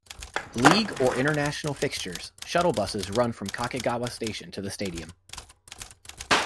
League or international fixtures, shuttle buses run from Kakegawa station to the stadium.